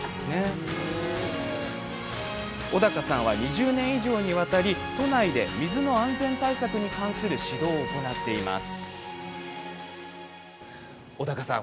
小高さんは２０年以上にわたり都内で水の安全対策に関する指導を行っています。